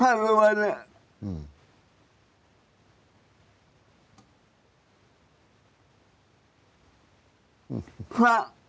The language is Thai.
พ่อลุงเอี่ยม